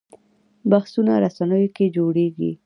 بحثونه رسنیو کې جوړېږي